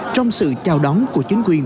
trong sự chào đón của chính quyền